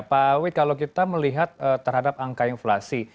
pak wit kalau kita melihat terhadap angka inflasi